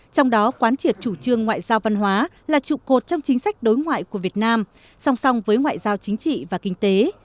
trong đó quán triệt chủ trương ngoại giao văn hóa là trụ cột trong chính sách đối ngoại của việt nam song song với ngoại giao chính trị và kinh tế